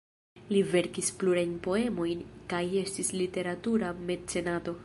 Li verkis plurajn poemojn kaj estis literatura mecenato.